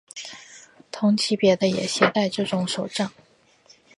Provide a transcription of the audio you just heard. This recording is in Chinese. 同级别的也携带这种手杖。